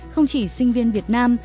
không chỉ sinh viên việt nam